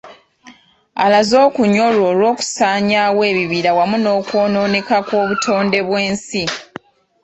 Alaze okunyolwa olw’okusaanyaawo ebibira awamu n’okwonooneka kw’obutonde bw’ensi .